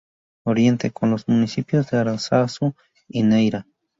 Oriente: Con los municipios de Aranzazu y Neira.